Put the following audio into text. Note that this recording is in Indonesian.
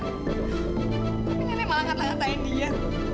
tapi nenek malah ngetahuin dia